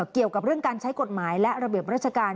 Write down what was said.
เกี่ยวกับเรื่องการใช้กฎหมายและระเบียบราชการ